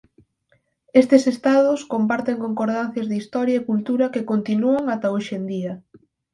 Estes estados comparten concordancias de historia e cultura que continúan ata hoxe en día.